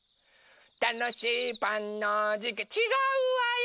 たのしいパンのじかちがうわよ！